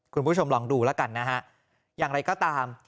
คุณผู้ชมลองดูแล้วกันนะฮะอย่างไรก็ตาม